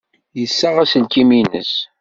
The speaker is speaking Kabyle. Yessaɣ aselkim-nnes.